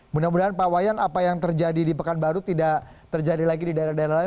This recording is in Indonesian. mudah mudahan pak wayan apa yang terjadi di pekanbaru tidak terjadi lagi di daerah daerah lain